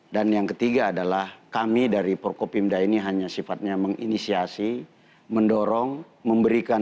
yang ketiga adalah kami dari prokopimda ini hanya sifatnya menginisiasi mendorong memberikan